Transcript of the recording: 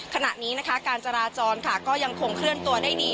ขณะนี้นะคะการจราจรก็ยังคงเคลื่อนตัวได้ดี